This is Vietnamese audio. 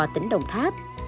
tỉnh đồng tháp